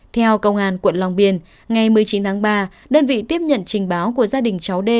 theo công an quận long biên ngày một mươi chín tháng ba đơn vị tiếp nhận trình báo của gia đình cháu đê